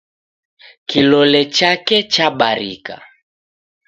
Kilole chake chabarika.